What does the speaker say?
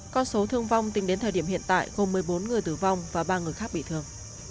con số thương vong tính đến thời điểm hiện tại gồm một mươi bốn người tử vong và ba người khác bị thương